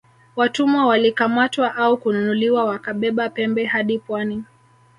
Watumwa walikamatwa au kununuliwa wakabeba pembe hadi pwani